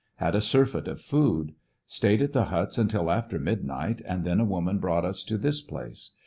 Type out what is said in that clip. Had a surfeit of food. Stayed at the huts until after midnight, and then a woman brought us to this place.